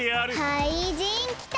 かいじんきた！